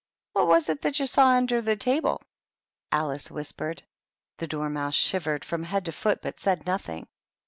" What was it that you saw under the table ?" Alice whispered.. The Dormouse shivered from head to foot, but said nothing.